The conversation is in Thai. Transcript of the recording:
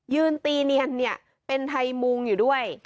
ยืนตีเนียนเนี่ยเป็นไทยมุงอยู่ด้วย